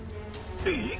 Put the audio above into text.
えっ！？